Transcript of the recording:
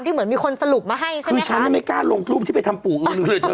เหมือนมีคนสรุปมาให้ใช่ไหมคือฉันยังไม่กล้าลงรูปที่ไปทำปู่อื่นเลยเธอ